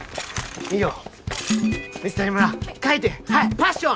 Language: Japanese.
パッション！